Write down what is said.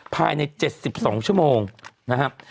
ภายใน๗๒ชั่วโมงนะครับ